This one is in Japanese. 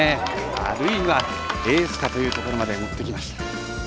あるいはエースかというところまで持ってきました。